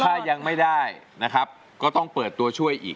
ถ้ายังไม่ได้นะครับก็ต้องเปิดตัวช่วยอีก